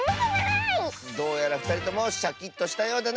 どうやらふたりともシャキッとしたようだな！